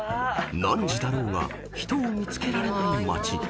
［何時だろうが人を見つけられない街］